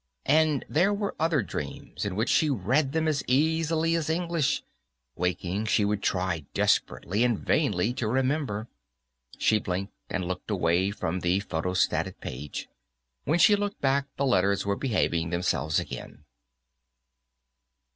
And there were other dreams, in which she read them as easily as English; waking, she would try desperately and vainly to remember. She blinked, and looked away from the photostatted page; when she looked back, the letters were behaving themselves again.